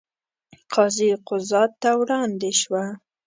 قاضي قضات ته وړاندې شوه.